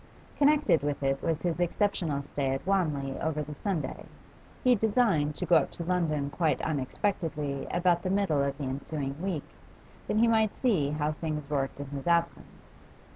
Connected with it was his exceptional stay at Wanley over the Sunday; he designed to go up to London quite unexpectedly about the middle of the ensuing week, that he might see how things worked in his absence.